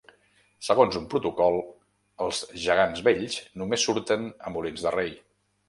Segons un Protocol, els Gegants Vells només surten a Molins de Rei.